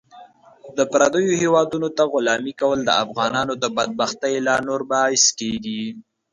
د پردیو هیوادونو ته غلامي کول د افغانانو د بدبختۍ لا نور باعث کیږي .